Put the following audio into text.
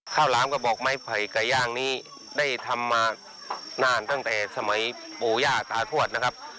หลามกระบอกไม้ไผ่ไก่ย่างนี้ได้ทำมานานตั้งแต่สมัยปู่ย่าตาทวดนะครับ